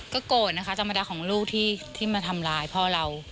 ก็โกรธนะคะธรรมดาของลูกที่มาทำร้ายพ่อเรา